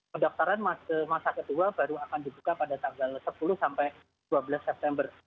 pendaftaran ke masa kedua baru akan dibuka pada tanggal sepuluh sampai dua belas september